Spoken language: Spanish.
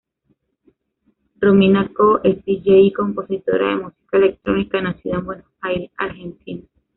Romina Cohn es dj y compositora de música electrónica, nacida en Buenos Aires, Argentina.